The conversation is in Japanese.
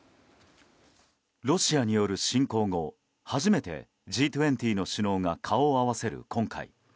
ロシアによる侵攻後、初めてＧ２０の首脳が顔を合わせる今回。